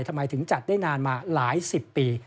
ทำไมถึงจัดได้นานมาหลายสิบปี